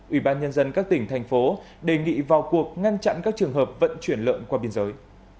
ủy ban nhân dân các tỉnh thành phố đề nghị vào cuộc ngăn chặn các trường hợp vận chuyển lợn qua biên giới